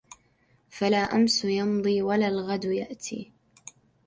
فلا أَمس يمضي ولا الغَدُ يأتي